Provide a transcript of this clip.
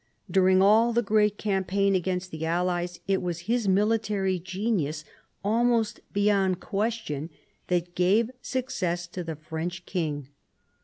During all the great campaign against the allies, it was his military genius almost beyond question that gave success to the French king.